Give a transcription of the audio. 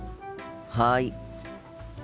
はい。